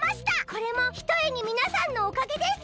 これもひとえにみなさんのおかげです。